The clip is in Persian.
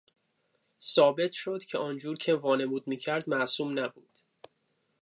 ثابت شد که آنجور که وانمود میکرد معصوم نبود.